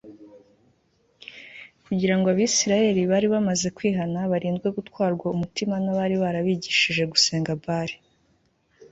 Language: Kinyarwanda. Kugira ngo Abisirayeli bari bamaze kwihana barindwe gutwarwa umutima nabari barabigishije gusenga Bali